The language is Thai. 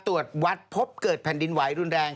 ตรวจวัดพบเกิดแผ่นดินไหวรุนแรง